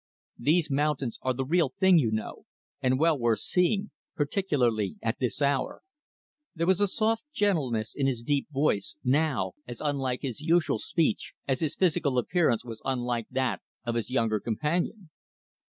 These mountains are the real thing, you know, and well worth seeing particularly at this hour." There was a gentle softness in his deep voice, now as unlike his usual speech as his physical appearance was unlike that of his younger companion.